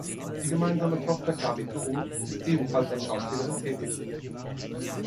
Die gemeinsame Tochter Gaby Dohm ist ebenfalls als Schauspielerin tätig.